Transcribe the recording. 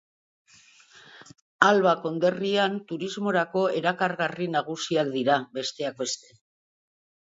Alba konderrian turismorako erakargarri nagusiak dira, besteak beste.